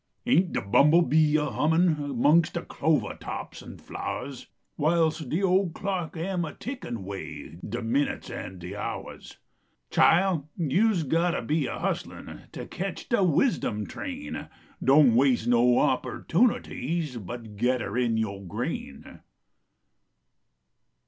Ain t de bumble bee a hummin Mongst de clovah tops an rlowahs. Whilst de ole clock am a tickiif way De minutes an de lumalis? Chile, yo s got to be a huslin To ketch de wisdom train. Doan waste no opportunities. Hut gedder in yo grain.